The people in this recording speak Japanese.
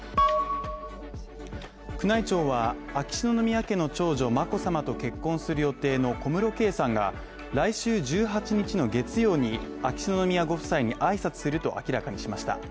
宮内庁は秋篠宮家の長女眞子さまと結婚する予定の小室圭さんが来週１８日の月曜に秋篠宮ご夫妻に挨拶すると明らかにしました。